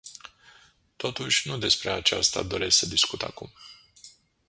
Totuși, nu despre aceasta doresc să discut acum.